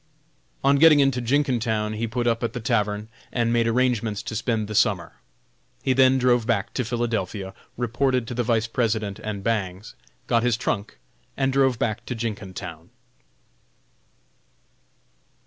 On getting into Jenkintown he put up at the tavern, and made arrangements to spend the summer. He then drove back to Philadelphia, reported to the Vice President and Bangs, got his trunk, and drove back to Jenkintown.